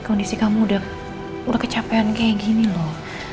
kondisi kamu udah kecapean kayak gini loh